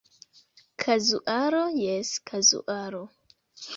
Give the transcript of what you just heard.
Kazuaro, Jes kazuaro.